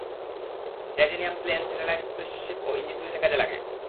Titanium plane, satellite, spaceship ও engine তৈরীতে কাজে লাগে।